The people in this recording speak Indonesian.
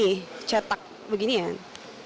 ini cetak beginian